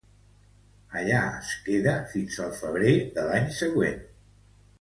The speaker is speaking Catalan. Allà es queda fins al febrer de l'any següent.